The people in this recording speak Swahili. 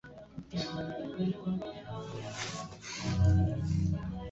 wa uamuzi wa serikali na tabia isiyo ya urafiki